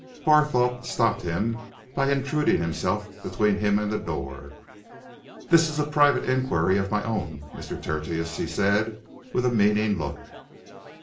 Barthorpe stopped him by intruding himself between him and the door. "This is a private inquiry of my own, Mr. Tertius," he said, with a meaning look.